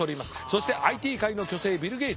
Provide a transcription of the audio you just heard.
そしてＩＴ界の巨星ビル・ゲイツ。